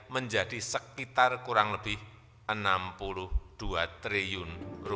menjadi sekitar kurang lebih rp enam puluh dua triliun